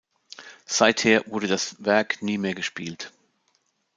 Seither wurde das Werk nie mehr gespielt.